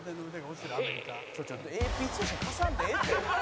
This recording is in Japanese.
「ＡＰ通信貸さんでええって」